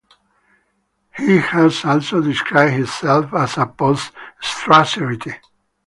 He has also described himself as a "post-Strasserite".